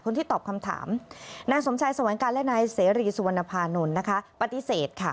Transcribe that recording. คนที่ตอบคำถามนสมชัยสวรรค์การและนเสรีสุวรรณภานนท์นะคะปฏิเสธค่ะ